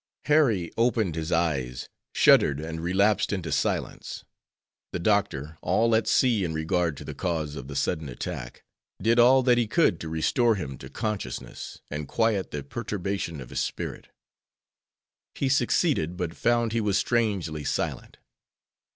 Harry opened his eyes, shuddered, and relapsed into silence. The doctor, all at sea in regard to the cause of the sudden attack, did all that he could to restore him to consciousness and quiet the perturbation of his spirit. He succeeded, but found he was strangely silent.